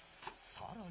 さらに。